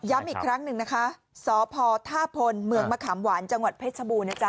อีกครั้งหนึ่งนะคะสพท่าพลเมืองมะขามหวานจังหวัดเพชรบูรณะ